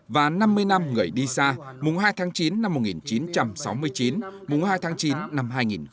và năm mươi năm người đi xa mùng hai tháng chín năm một nghìn chín trăm sáu mươi chín mùng hai tháng chín năm hai nghìn một mươi chín